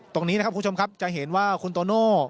ตรงนี้นะครับคุณผู้ชมครับจะเห็นว่าคุณโตโน่